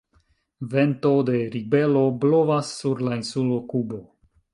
Vento de ribelo blovas sur la insulo Kubo.